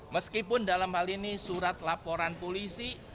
meskipun dalam hal ini surat laporan polisi